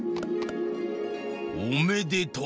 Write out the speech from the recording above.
おめでとう。